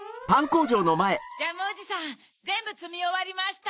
ジャムおじさんぜんぶつみおわりました。